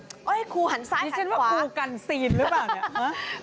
เฮ่ยครูหันซ้ายหันขวานี่เช่นว่าครูกันซีนหรือเปล่า